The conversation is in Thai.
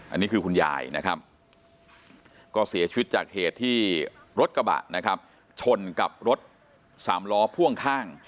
อันนี้คือคุณยายนะครับก็เสียชีวิตจากเหตุที่รถกระบะนะครับชนกับรถสามล้อพ่วงข้าง